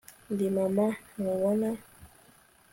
ndi mama, ntubona